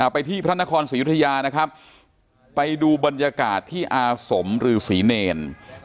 ไปที่พระนครศรียุธยานะครับไปดูบรรยากาศที่อาสมฤษีเนร